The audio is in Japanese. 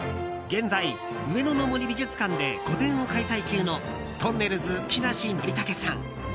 現在、上野の森美術館で個展を開催中のとんねるず、木梨憲武さん。